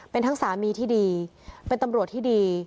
เป็นทั้งสามีที่ดีเป็นตำรวจที่ดี